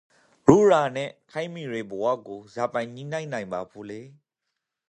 ရိုးရာနန့်ခေတ်မီယေဘဝကိုဇာပိုင် ညှိနှိုင်းနိုင်ပါဖို့လဲ?